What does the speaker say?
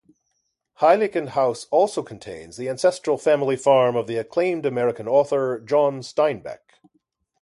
Heiligenhaus also contains the ancestral family farm of the acclaimed American author John Steinbeck.